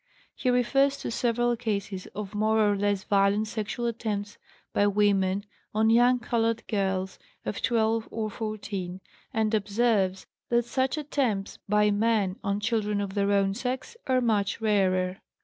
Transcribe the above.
" He refers to several cases of more or less violent sexual attempts by women on young colored girls of 12 or 14, and observes that such attempts by men on children of their own sex are much rarer.